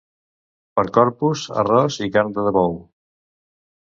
Per Corpus, arròs i carn de bou.